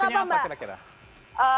ini fungsinya apa kira kira